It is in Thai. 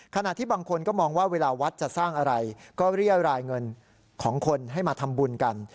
ขณะที่บางคนก็มองว่าเวลาวัดจะสร้างอะไรก็เรียรายเงินของคนให้มาทำบุญกัน